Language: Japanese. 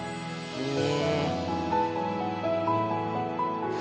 へえ。